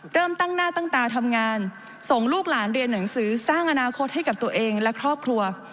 เริ่มตั้งหน้าตั้งตาทำงานส่งลูกหลานเรียนหนังสือสร้างอนาคตให้กับตัวเองและครอบครัว